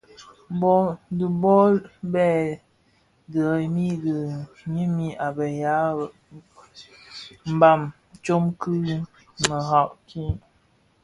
Dhi bo Bè dhemremi bi ňyinim a be ya mbam tsom ki merad ki.